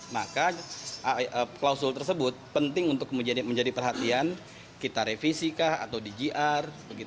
maka klausul tersebut penting untuk menjadi perhatian kita revisi kah atau di gr